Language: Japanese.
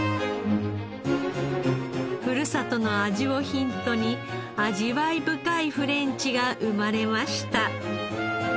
ふるさとの味をヒントに味わい深いフレンチが生まれました。